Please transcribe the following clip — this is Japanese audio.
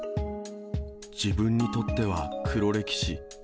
自分にとっては黒歴史。